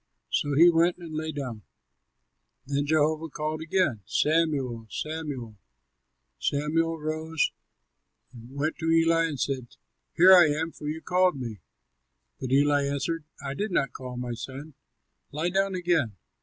So he went and lay down. Then Jehovah called again, "Samuel! Samuel!" Samuel rose and went to Eli and said, "Here am I, for you called me." But Eli answered, "I did not call, my son; lie down again."